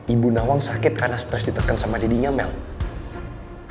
ibu newang sakit karena stress tipe justice meskipun menguruskan petikaannya